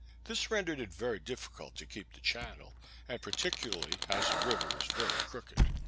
This rendered it very difficult to keep the channel, and particularly as the river was very crooked.